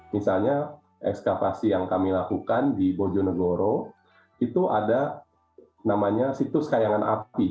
misalnya ekskavasi yang kami lakukan di bojonegoro itu ada namanya situs kayangan api